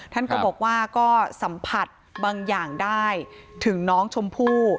ท่านก็บอกว่าก็สัมผัสบางอย่างได้ถึงน้องชมพู่